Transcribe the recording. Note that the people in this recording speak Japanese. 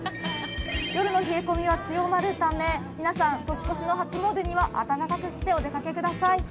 夜の冷え込みは強まるため皆さん年越しの初詣には暖かくしてお出かけください。